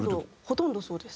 ほとんどそうです。